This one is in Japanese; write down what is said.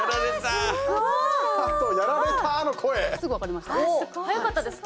すぐ分かりました。